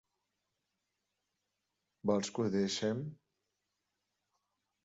Vols que ho deixe'm?